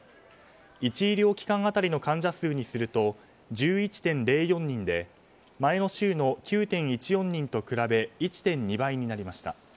１医療機関当たりの患者数にすると１１．０４人で前の週の９．１４人と比べ１．２倍になりました。